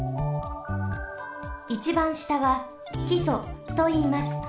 いちばんしたはきそといいます。